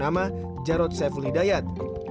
denama jarod seveli dayat